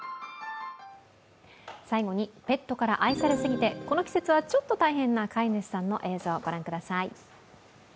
最後に、ペットから愛されすぎてこの季節はちょっと大変な飼い主さんの映像、御覧ください。